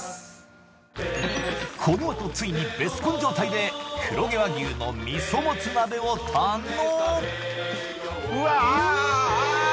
このあとついにベスコン状態で黒毛和牛の味噌もつ鍋を堪能